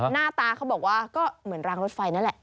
หน้าตาเขาบอกว่าก็เหมือนรางรถไฟนั่นแหละ